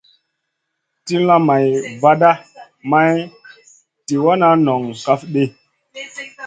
Tilla bay vada may tì wana nong kaf ɗi.